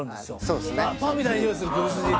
そうっすね